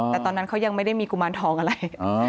แต่ตอนนั้นเขายังไม่ได้มีกุมารทองอะไร